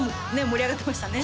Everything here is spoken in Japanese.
盛り上がってましたね